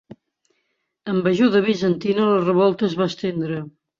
Amb ajuda bizantina la revolta es va estendre.